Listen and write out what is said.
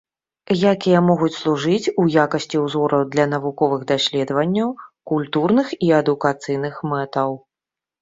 Якія могуць служыць у якасці ўзораў для навуковых даследванняў, культурных і адукацыйных мэтаў.